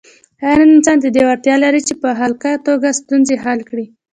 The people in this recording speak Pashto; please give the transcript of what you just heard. هر انسان د دې وړتیا لري چې په خلاقه توګه ستونزې حل کړي.